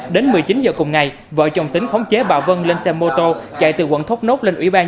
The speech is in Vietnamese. đến một mươi chín h cùng ngày vợ chồng tính khống chế bà vân lên xe mô tô chạy từ quận thốt nốt